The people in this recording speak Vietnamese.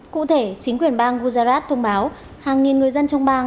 cụ thể chính quyền bang gujarat thông báo hàng nghìn người dân trong bang